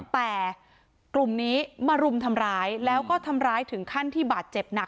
แต่กลุ่มนี้มารุมทำร้ายแล้วก็ทำร้ายถึงขั้นที่บาดเจ็บหนัก